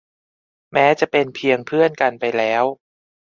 แม้จะเป็นเพียงเพื่อนกันไปแล้ว